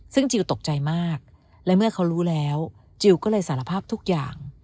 ซึ่งจิลตกใจมากและเมื่อเขารู้แล้วจิลก็เลยสารภาพทุกอย่าง